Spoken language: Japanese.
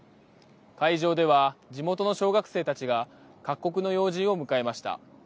会場では地元の小学生たちが各国の要人を迎えました。